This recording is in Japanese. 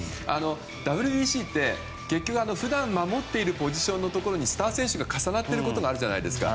ＷＢＣって結局普段守っているポジションにスター選手が重なっていることがあるじゃないですか。